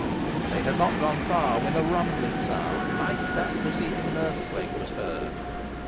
They had not gone far when a rumbling sound like that preceding an earthquake was heard.